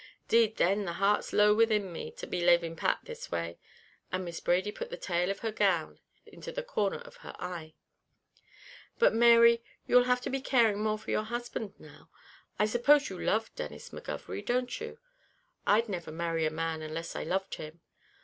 'Deed then, the heart's low within me, to be laving Pat this way!" And Miss Brady put the tail of her gown into the corner of her eye. "But Mary, you'll have to be caring more for your husband now. I suppose you love Denis McGovery, don't you? I'd never marry a man unless I loved him."